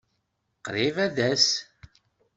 Qṛib ad tas.